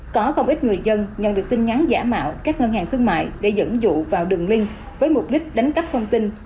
có không ít người dân nhận được tin nhắn giả mạo các ngân hàng thương mại để dẫn dụ vào đường link với mục đích đánh cắp thông tin